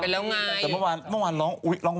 ลองว่ายอย่างนี้เลย